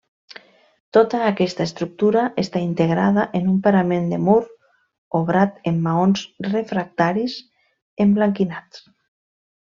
Tota aquesta estructura està integrada en un parament de mur obrat en maons refractaris emblanquinats.